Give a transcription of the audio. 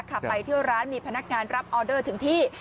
ขับไปเที่ยวร้านมีพนักงานรับออเดอร์ถึงที่